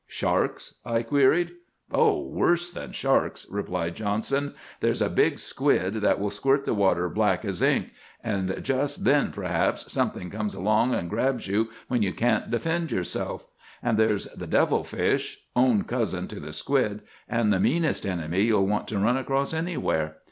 "'Sharks?' I queried. "'Oh, worse than sharks!' replied Johnson. 'There's a big squid that will squirt the water black as ink; and just then, perhaps, something comes along and grabs you when you can't defend yourself. And there's the devil fish, own cousin to the squid, and the meanest enemy you'd want to run across anywhere.